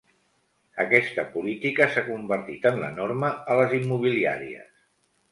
Aquesta política s'ha convertit en la norma a les immobiliàries.